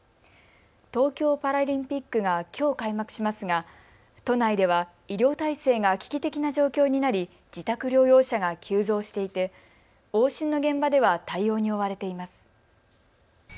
東京パラリンピックがきょう開幕しますが都内では医療体制が危機的な状況になり、自宅療養者が急増していて往診の現場では対応に追われています。